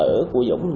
ở của dũng